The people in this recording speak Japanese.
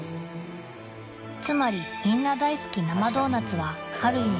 つまりみんな大好き生ドーナツはある意味